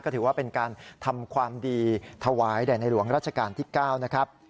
ก็ถือว่าเป็นการทำความดีถวายแด่ในหลวงราชการที่๙นะครับ